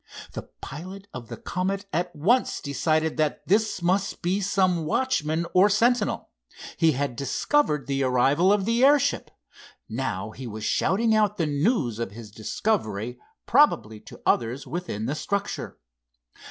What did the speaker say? The pilot of the Comet at once decided that this must be some watchman or sentinel. He had discovered the arrival of the airship. Now he was shouting out the news of his discovery, probably to others within the structure.